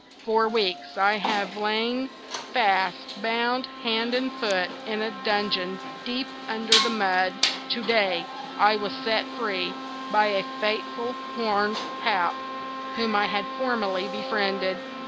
For weeks I have lain fast bound, hand and foot, in a dungeon deep under the mud. To day I was set free by a faithful Horned Pout, whom I had formerly befriended.